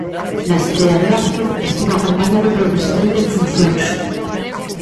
Na estrea de Vázquez, estivo acompañado polo presidente en funcións.